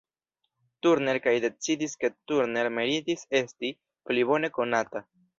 Turner kaj decidis ke Turner meritis esti pli bone konata.